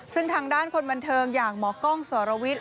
ซึ่งทางด้านคนบันเทิงอย่างหมอกล้องสรวิทย